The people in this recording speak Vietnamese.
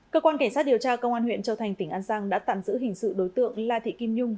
cơ quan cảnh sát điều tra công an huyện châu thành tỉnh an giang đã tạm giữ hình sự đối tượng la thị kim nhung